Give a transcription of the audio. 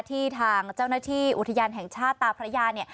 ที่ทางเจ้าหน้าที่อุทยานแห่งชาติตาพระญาติ